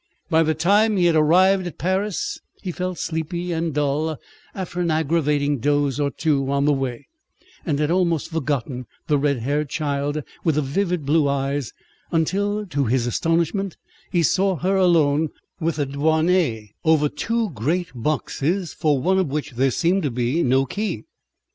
By the time he had arrived at Paris he felt sleepy and dull after an aggravating doze or two on the way, and had almost forgotten the red haired child with the vivid blue eyes, until, to his astonishment, he saw her alone parleying with a douanier, over two great boxes, for one of which there seemed to be no key.